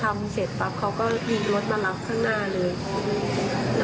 ถ้าไม่งั้นพอกระทำเสร็จปรับเขาก็ยิงรถมารับข้างหน้าเลย